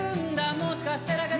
もしかしてだけど